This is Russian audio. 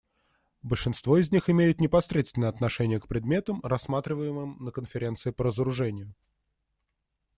Большинство из них имеют непосредственное отношение к предметам, рассматриваемым на Конференции по разоружению.